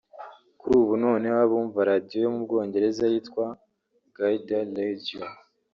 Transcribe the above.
Kuri ubu noneho abumva radio yo mu bwongereza yitwa Gaydar Radio